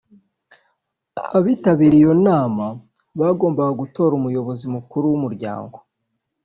Abitabiriye iyo nama bagomba gutora umuyobizi mukuru w’umuryango